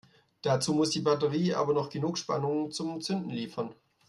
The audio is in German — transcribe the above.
Dazu muss die Batterie aber noch genug Spannung zum Zünden liefern.